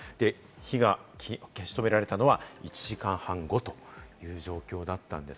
火が消し止められたのは１時間半後という状況です。